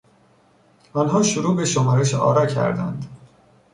آنها شروع به شمارش آرا کردند.